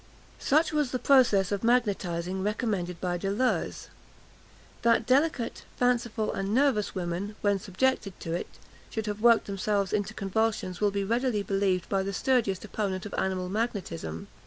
Such was the process of magnetising recommended by Deleuze. That delicate, fanciful, and nervous women, when subjected to it, should have worked themselves into convulsions will be readily believed by the sturdiest opponent of animal magnetism.